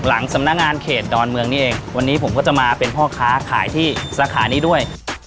หลังสำนักงานเขตดอนเมืองนี่เองวันนี้ผมก็จะมาเป็นพ่อค้าขายที่สาขานี้ด้วย